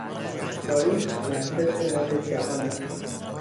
پاریس مرکز مد جهان است.